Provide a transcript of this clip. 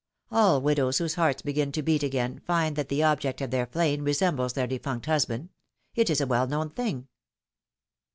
All widows, whose hearts begin to beat again, find that the object of their flame resembles their defunct husband ; it is a well known thing.